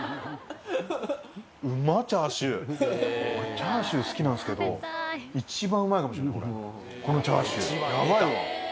チャーシュー好きなんですけど一番うまいかもしれないこれこのチャーシューヤバいわ。